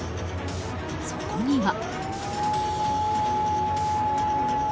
そこには。